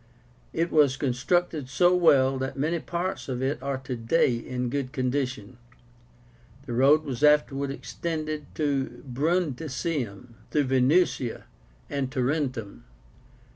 It was constructed so well that many parts of it are today in good condition. The road was afterward extended to Brundisium, through Venusia and Tarentum.